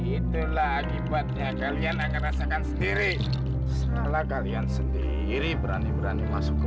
itu lagi buatnya kalian akan rasakan sendiri setelah kalian sendiri berani berani masuk ke